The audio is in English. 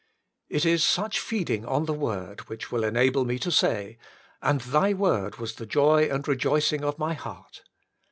It is such feeding on the word which will enable me to say :" And Thy word was the joy and rejoicing of my heart."